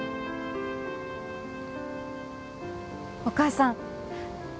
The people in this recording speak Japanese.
お母さん